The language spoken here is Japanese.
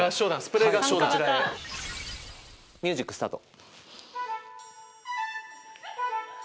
ミュージックスタート。